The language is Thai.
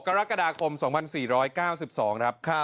กรกฎาคม๒๔๙๒ครับ